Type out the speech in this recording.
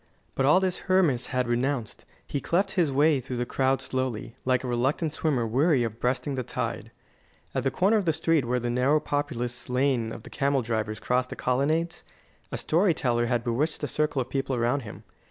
But all this Hermas had renounced. He cleft his way through the crowd slowly, like a reluctant swimmer weary of breasting the tide. At the corner of the street where the narrow, populous Lane of the Camel drivers crossed the Colonnades, a storyteller had bewitched a circle of people around him.